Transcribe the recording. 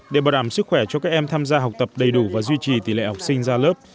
để bảo đảm sức khỏe cho các em tham gia học tập đầy đủ và duy trì tỷ lệ học sinh ra lớp